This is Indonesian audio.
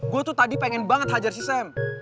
gue tuh tadi pengen banget hajar si sam